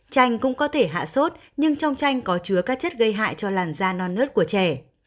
chanh cũng có thể hạ sốt nhưng trong tranh có chứa các chất gây hại cho làn da non nớt của trẻ